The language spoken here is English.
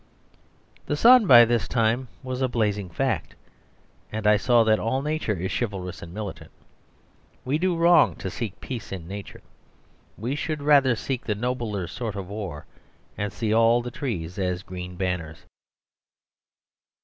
The sun by this time was a blazing fact; and I saw that all Nature is chivalrous and militant. We do wrong to seek peace in Nature; we should rather seek the nobler sort of war; and see all the trees as green banners.